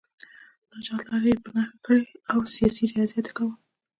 د نجات لارې یې په نښه کړې او سیاسي ریاضت یې کاوه.